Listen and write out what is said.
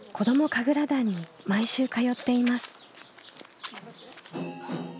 神楽団に毎週通っています。